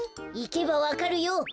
いけばわかるよ！